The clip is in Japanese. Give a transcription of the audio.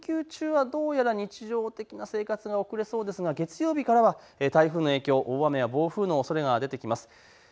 関東は連休中はどうやら日常的な生活が送れそうですが月曜日からは台風の影響、大雨や暴風のおそれが出てきます。